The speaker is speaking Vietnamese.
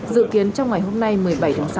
dự kiến trong ngày hôm nay một mươi bảy tháng sáu